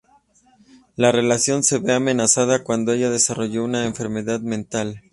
La relación se ve amenazada cuando ella desarrolla una enfermedad mental.